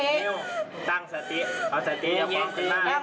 เอาตั้งสติแล้วเป้าออกเข้าร่าง